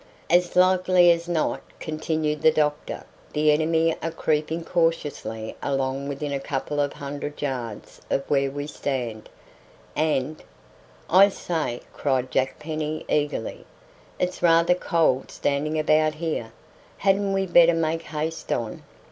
"As likely as not," continued the doctor, "the enemy are creeping cautiously along within a couple of hundred yards of where we stand, and " "I say," cried Jack Penny eagerly, "it's rather cold standing about here; hadn't we better make haste on?"